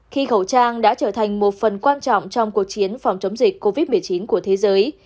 khi khẩu trang đã trở thành một phần quan trọng trong cuộc chiến phòng chống dịch covid một mươi chín của thế giới